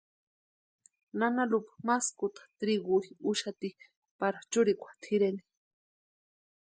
Nana Lupa maskuta triguri úxati para churikwa tʼireni.